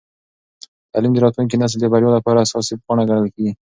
تعلیم د راتلونکي نسل د بریا لپاره اساسي پانګه ګڼل کېږي.